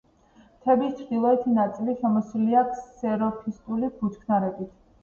მთების ჩრდილოეთი ნაწილი შემოსილია ქსეროფიტული ბუჩქნარებით.